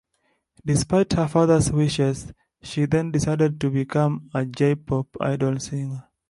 Despite her father's wishes, she then decided to become a J-pop idol singer.